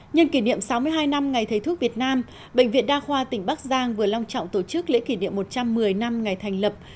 nhân kỷ niệm sáu mươi hai năm ngày thầy thuốc việt nam bệnh viện đa khoa tỉnh bắc giang vừa long trọng tổ chức lễ kỷ niệm một trăm một mươi năm ngày thành lập